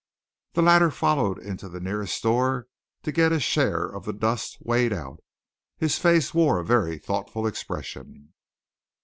The latter followed into the nearest store to get his share of the dust weighed out. His face wore a very thoughtful expression.